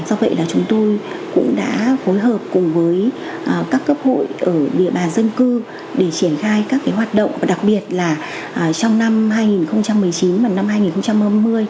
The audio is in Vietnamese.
do vậy là chúng tôi cũng đã phối hợp cùng với các cấp hội ở địa bàn dân cư để triển khai các hoạt động và đặc biệt là trong năm hai nghìn một mươi chín và năm hai nghìn hai mươi